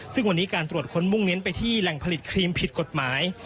ซึ่งวันนี้การตรวจค้นมุ่งเน้นไปที่แหล่งผลิตครีมผิดกฎหมาย